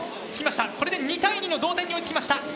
これで２対２の同点に追いつきました。